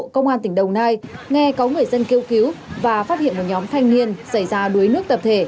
công an tỉnh đồng nai nghe có người dân kêu cứu và phát hiện một nhóm thanh niên xảy ra đuối nước tập thể